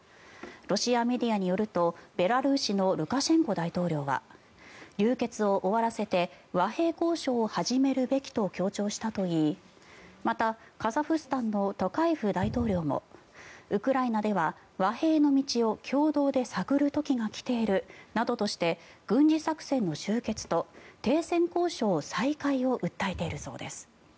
ロシアメディアによるとベラルーシのルカシェンコ大統領は流血を終わらせて和平交渉を始めるべきと強調したといいまた、カザフスタンのトカエフ大統領もウクライナでは和平の道を共同で探る時が来ているなどとして軍事作戦の終結と停戦交渉再開を訴えているそうです。